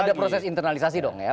ada proses internalisasi dong ya